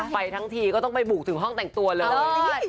ไปทั้งทีก็ต้องไปบุกถึงห้องแต่งตัวเลย